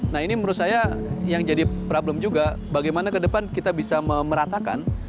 nah ini menurut saya yang jadi problem juga bagaimana ke depan kita bisa meratakan